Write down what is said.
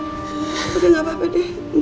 tapi tidak apa apa neng